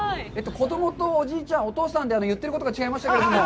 子供とおじいちゃん、お父さんで言ってることが違いましたけども。